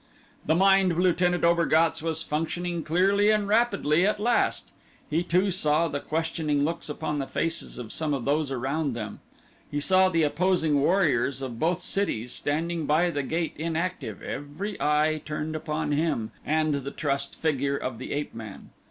The mind of Lieutenant Obergatz was functioning clearly and rapidly at last. He too saw the questioning looks upon the faces of some of those around them. He saw the opposing warriors of both cities standing by the gate inactive, every eye turned upon him, and the trussed figure of the ape man.